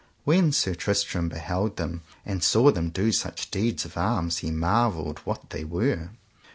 When Sir Tristram beheld them, and saw them do such deeds of arms, he marvelled what they were.